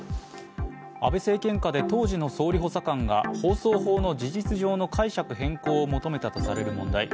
安倍政権下で当時の総理補佐官が放送法の事実上の解釈変更を求めたとされる問題。